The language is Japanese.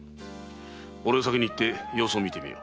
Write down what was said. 俺が先に行って様子を見てみよう。